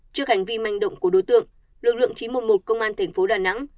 trước hành vi manh động của đối tượng lực lượng c năm nghìn chín trăm một mươi một công an tp đà nẵng